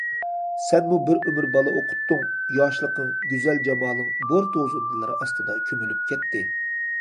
سەنمۇ بىر ئۆمۈر بالا ئوقۇتتۇڭ، ياشلىقىڭ، گۈزەل جامالىڭ بور توزۇندىلىرى ئاستىدا كۆمۈلۈپ كەتتى.